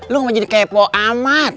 lu gak mau jadi kepo amat